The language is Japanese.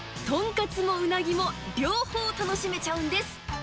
とんかつもうなぎも両方楽しめちゃうんです。